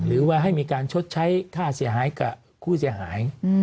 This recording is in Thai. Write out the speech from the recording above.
หรือว่าให้มีการชดใช้คราคคุ้เสียหาย